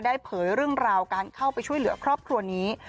เผยเรื่องราวการเข้าไปช่วยเหลือครอบครัวนี้